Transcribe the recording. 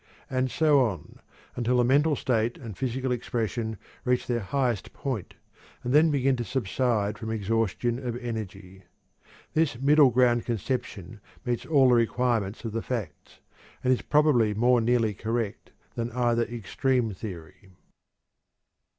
And so on, until the mental state and physical expression reach their highest point and then begin to subside from exhaustion of energy. This middle ground conception meets all the requirements of the facts, and is probably more nearly correct than either extreme theory.